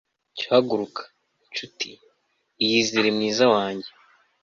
cyo haguruka, ncuti; iyizire, mwiza wanjye